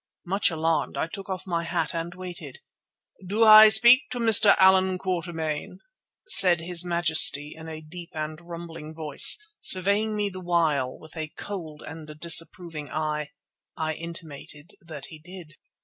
Much alarmed, I took off my hat and waited. "Do I speak to Mr. Allan Quatermain?" said his majesty in a deep and rumbling voice, surveying me the while with a cold and disapproving eye. I intimated that he did.